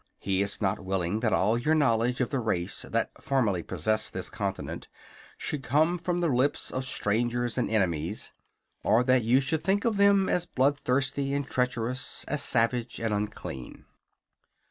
He is not willing that all your knowledge of the race that formerly possessed this continent should come from the lips of strangers and enemies, or that you should think of them as blood thirsty and treacherous, as savage and unclean.